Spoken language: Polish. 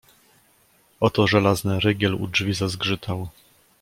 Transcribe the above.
"Oto żelazny rygiel u drzwi zazgrzytał."